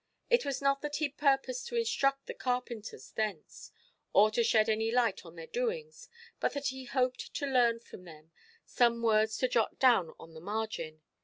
It was not that he purposed to instruct the carpenters thence, or to shed any light on their doings; but that he hoped to learn from them some words to jot down on the margin.